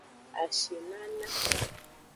Ashinana.